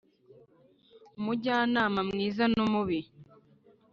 Umujyanama mwiza n’umubi